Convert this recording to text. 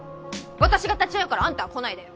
私が立ち会うからアンタは来ないでよ！